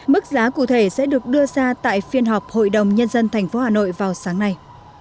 mức giá cụ thể sẽ được đưa ra tại phiên họp hội đồng nhân dân tp hà nội vào sáng nay